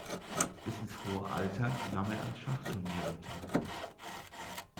Bis ins hohe Alter nahm er an Schachturnieren teil.